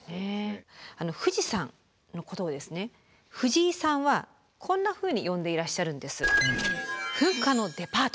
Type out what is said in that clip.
富士山のことをですね藤井さんはこんなふうに呼んでいらっしゃるんです。